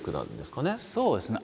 そうですね。